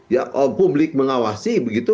ya publik mengawasi begitu